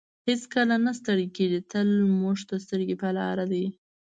هېڅکله نه ستړی کیږي تل موږ ته سترګې په لار دی.